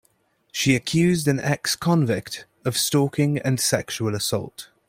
She accused an ex-convict of stalking and sexual assault.